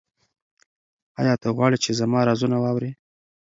ایا ته غواړې چې زما رازونه واورې؟